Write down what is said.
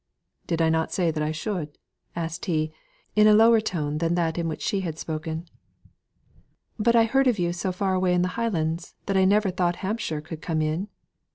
"Did not I say that I should?" asked he, in a lower tone than that in which he had spoken. "But I heard of you so far away in the Highlands that I never thought Hampshire could come in."